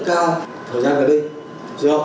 thời gian này do công việc quản lý biên giữ chặt chẽ